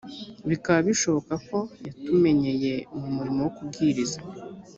bikaba bishoboka ko yatumenyeye mu murimo wo kubwiriza